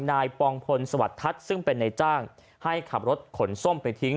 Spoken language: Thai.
ปองพลสวัสดิทัศน์ซึ่งเป็นนายจ้างให้ขับรถขนส้มไปทิ้ง